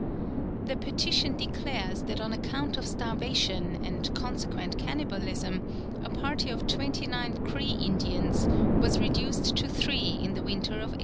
The petition declares that on account of starvation, and consequent cannibalism, a party of twenty nine Cree Indians was reduced to three in the winter of 1886.